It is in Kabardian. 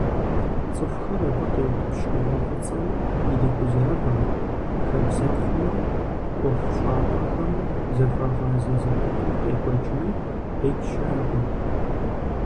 ЦӀыхухэр абы къиутӀыпщ Ӏугъуэ фӀыцӀэм иригузавэу, хабзэхъумэ ӀуэхущӀапӀэхэм зыхуагъазэ зэпыту къекӀуэкӀми, къикӀ щыӀэкъым.